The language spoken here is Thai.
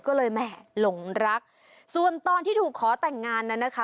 ก็เลยแหม่หลงรักส่วนตอนที่ถูกขอแต่งงานนั้นนะคะ